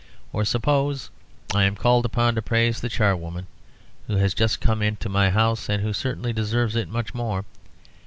Or suppose I am called upon to praise the charwoman who has just come into my house, and who certainly deserves it much more.